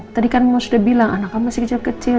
tadi kan mas sudah bilang anak kamu masih kecil kecil